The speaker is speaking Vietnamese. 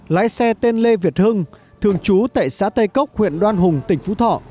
lái xe tên lê việt hưng thường trú tại xã tây cốc huyện đoan hùng tỉnh phú thọ